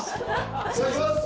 お願いします！